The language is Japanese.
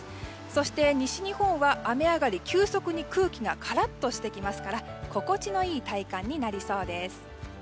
そして、西日本は雨上がり急速に空気がカラッとしてきますから心地のいい体感になりそうです。